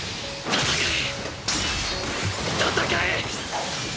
戦え！！